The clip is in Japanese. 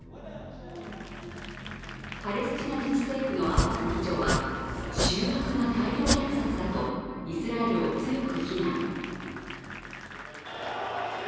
パレスチナ自治政府のアッバス議長は醜悪な大量虐殺だとイスラエルを強く非難。